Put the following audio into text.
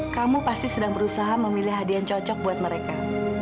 kamu pasti sedang berusaha memilih hadiah yang cocok buat mereka